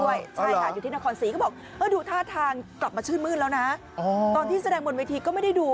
ก็พูดว่าอยู่ที่นครศรีธรรมก็บอกดูท่าทางกลับมาชื่นมื้นแล้วตอนที่แสดงมนุษย์วิธีก็ไม่ได้ดู